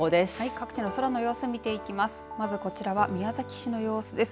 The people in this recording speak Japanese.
各地の空の様子を見ていきます。